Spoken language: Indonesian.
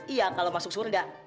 iya kalau masuk surda